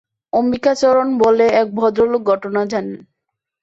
অম্বিকাচরণ বলে এক ভদ্রলোক ঘটনা জানেন।